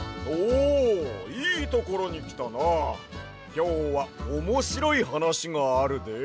きょうはおもしろいはなしがあるで！